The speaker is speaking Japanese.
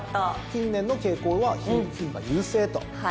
近年の傾向は牝馬優勢と。